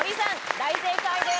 大正解です